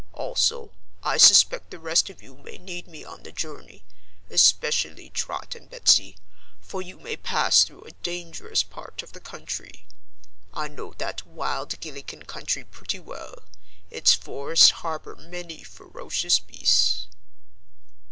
"Also, I suspect the rest of you may need me on the journey especially Trot and Betsy for you may pass through a dangerous part of the country. I know that wild Gillikin country pretty well. Its forests harbor many ferocious beasts."